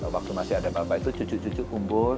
waktu masih ada bapak itu cucuk cucuk kumpul